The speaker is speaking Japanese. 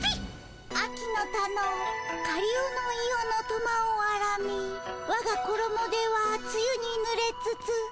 「秋の田のかりおのいおのとまをあらみわがころもではつゆにぬれつつ」。